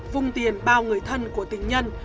vung tiền bao người thân của tình nhân